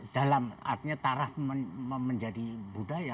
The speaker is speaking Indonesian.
dalam artinya taraf menjadi budaya